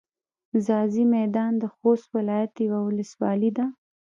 ځاځي میدان د خوست ولایت یوه ولسوالي ده.